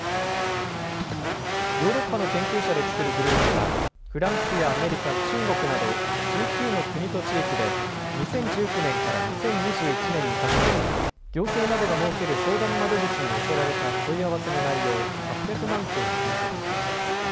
ヨーロッパの研究者で作るグループはフランスやアメリカ、中国など１９の国と地域で２０１９年から２０２１年にかけて行政などが設ける相談窓口に寄せられた問い合わせの内容８００万件を分析しました。